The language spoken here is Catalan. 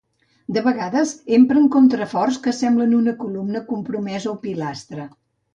De vegades empren contraforts que semblen una columna compromesa o pilastra.